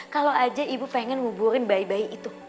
kalau aja ibu pengen nguburin bayi bayi itu